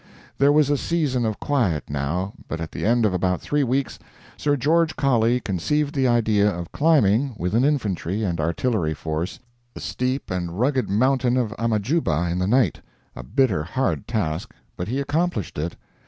There was a season of quiet, now, but at the end of about three weeks Sir George Colley conceived the idea of climbing, with an infantry and artillery force, the steep and rugged mountain of Amajuba in the night a bitter hard task, but he accomplished it.